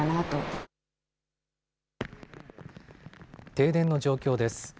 停電の状況です。